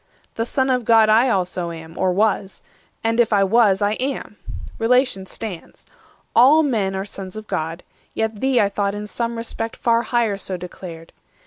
The Son of God I also am, or was; And, if I was, I am; relation stands: All men are Sons of God; yet thee I thought 520 In some respect far higher so declared.